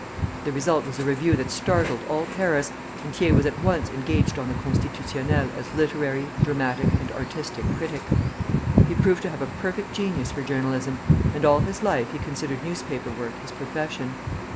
The result was a review that startled all Paris, and Thiers was at once engaged on the "Constitutionnel" as literary, dramatic, and artistic critic. He proved to have a perfect genius for journalism, and all his life he considered newspaper work his profession.